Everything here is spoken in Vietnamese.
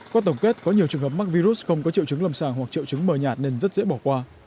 qua tổng kết có nhiều trường hợp mắc virus không có triệu chứng lầm sàng hoặc triệu chứng mờ nhạt nên rất dễ bỏ qua